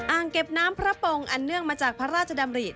อ่างเก็บน้ำพระปงอันเนื่องมาจากพระราชดำริ